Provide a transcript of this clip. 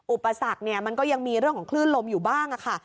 อุปสรรคมันก็ยังมีเรื่องของคลื่นลมอยู่บ้างค่ะ